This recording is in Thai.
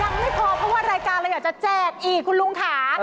ยังไม่พอเพราะว่ารายการเราอยากจะแจกอีกคุณลุงค่ะ